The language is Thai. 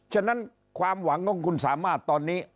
ฉะนั้นความหวังของคุณสามารถตอนนี้